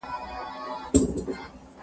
دا پېښې د کتابتونونو لپاره جدي اندېښنه وه.